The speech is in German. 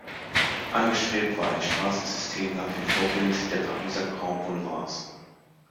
Angestrebt war ein Straßensystem nach dem Vorbild der Pariser Grands Boulevards.